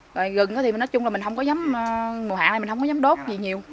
rồi rừng thì nói chung là mình không có dám mùa hạn này mình không có dám đốt gì nhiều